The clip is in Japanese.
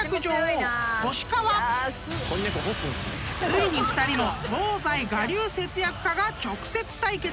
［ついに２人の東西我流節約家が直接対決！］